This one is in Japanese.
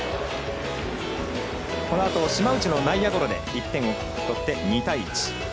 このあと、島内の内野ゴロで１点を取って２対１。